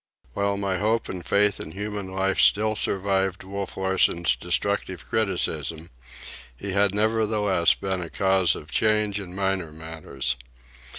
While my hope and faith in human life still survived Wolf Larsen's destructive criticism, he had nevertheless been a cause of change in minor matters.